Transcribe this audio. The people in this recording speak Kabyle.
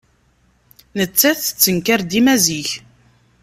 Nettat tettenkar dima zik.